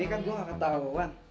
ini kan gue gak ketahuan